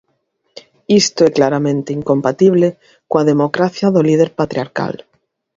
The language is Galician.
Isto é claramente incompatible coa democracia do líder patriarcal.